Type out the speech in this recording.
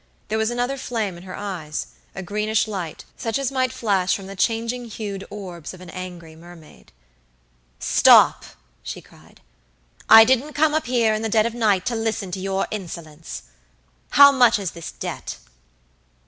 There was another flame in her eyesa greenish light, such as might flash from the changing hued orbs of an angry mermaid. "Stop," she cried. "I didn't come up here in the dead of night to listen to your insolence. How much is this debt?"